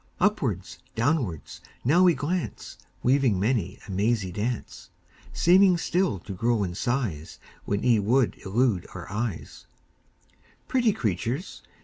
Upwards, downwards, now ye glance, Weaving many a mazy dance; Seeming still to grow in size When ye would elude our eyes Pretty creatures!